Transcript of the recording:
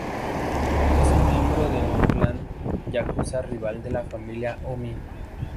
Es un miembro de un clan yakuza rival de la familia Ōmi.